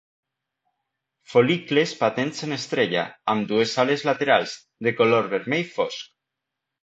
Fol·licles patents en estrella, amb dues ales laterals, de color vermell fosc.